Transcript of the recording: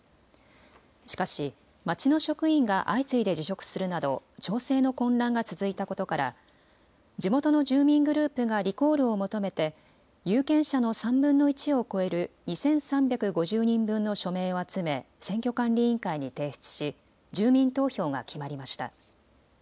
しかし町の職員が相次いで辞職するなど町政の混乱が続いたことから地元の住民グループがリコールを求めて有権者の３分の１を超える２３５０人分の署名を集め選挙管理委員会に提出し住民投票が決まりました。